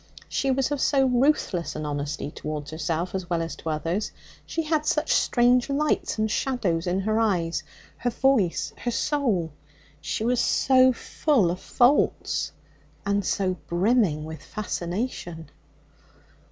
She was of so ruthless an honesty towards herself as well as others; she had such strange lights and shadows in her eyes, her voice, her soul; she was so full of faults, and so brimming with fascination.